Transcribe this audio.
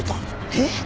えっ？